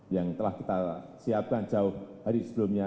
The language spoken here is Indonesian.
yang telah kita siapkan jauh hari sebelumnya